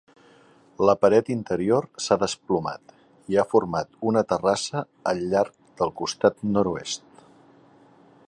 La paret interior s'ha desplomat i ha format una terrassa al llarg del costat nord-oest.